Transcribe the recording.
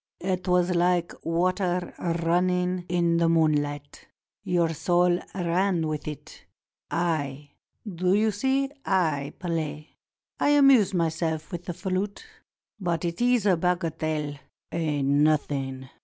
It was like water running in moonHght. Your soul ran with it. I, do you see, I play. I amuse myself with the flute; but it is a bagatelle — a nothing!